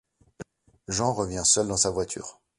Jean revint seul dans sa voiture.